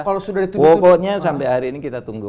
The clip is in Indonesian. pokoknya sampai hari ini kita tunggu